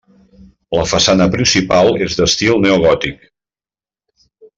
La façana principal és d'estil neogòtic.